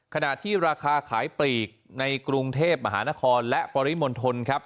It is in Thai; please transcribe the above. ขณะที่ราคาขายปลีกในกรุงเทพมหานครและปริมณฑลครับ